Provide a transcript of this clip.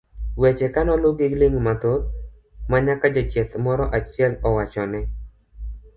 weche ka noluw gi ling' mathoth ma nyaka jachieth moro achiel owachone